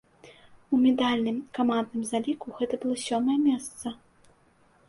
У медальным камандным заліку гэта было сёмае месца.